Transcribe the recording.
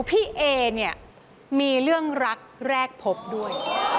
พี่เอเนี่ยมีเรื่องรักแรกพบด้วย